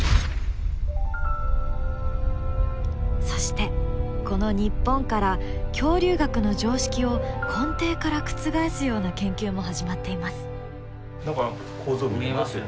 そしてこの日本から恐竜学の常識を根底から覆すような研究も始まっています。